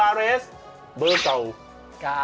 อ่าโอเค